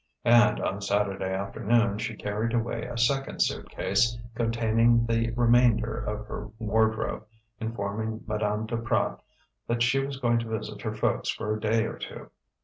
And on Saturday afternoon she carried away a second suit case containing the remainder of her wardrobe, informing Madame Duprat that she was going to visit her folks for a day or two.